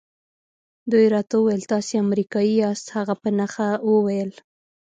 دوی راته وویل تاسي امریکایی یاست. هغه په نښه وویل.